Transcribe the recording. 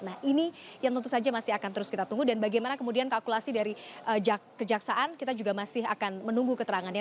nah ini yang tentu saja masih akan terus kita tunggu dan bagaimana kemudian kalkulasi dari kejaksaan kita juga masih akan menunggu keterangannya